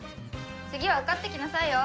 次は受かってきなさいよ。